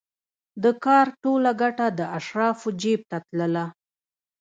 د کار ټوله ګټه د اشرافو جېب ته تلله